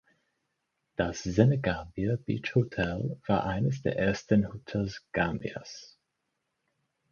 Das "Senegambia Beach Hotel" war eines der ersten Hotels Gambias.